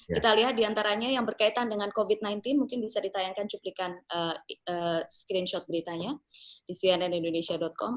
kita lihat diantaranya yang berkaitan dengan covid sembilan belas mungkin bisa ditayangkan cuplikan screenshot beritanya di cnnindonesia com